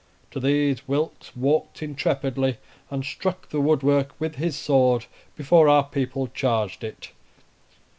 To these Wilkes walked intrepidly, and struck the woodwork with his sword before our people charged it.